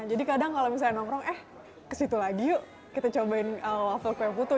jadi kadang kalau misalnya nongkrong eh kesitu lagi yuk kita cobain waffle kue putu